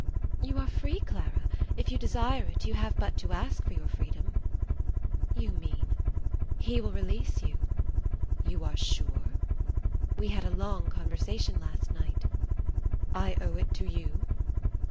"You are free, Clara! If you desire it, you have but to ask for your freedom." "You mean ..." "He will release you." "You are sure?" "We had a long conversation last night." "I owe it to you?"